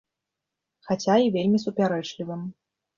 Хаця і вельмі супярэчлівым.